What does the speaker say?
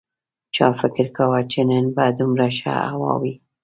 چا فکر کاوه چې نن به دومره ښه هوا وي